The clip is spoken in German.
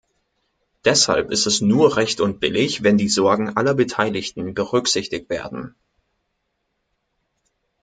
Deshalb ist es nur recht und billig, wenn die Sorgen aller Beteiligten berücksichtigt werden.